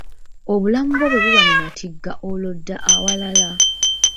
Obulamu bwo bwe buba mu matigga olwo dda ewalala.